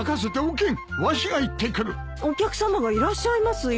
お客さまがいらっしゃいますよ。